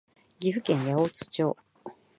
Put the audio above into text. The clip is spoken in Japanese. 岐阜県八百津町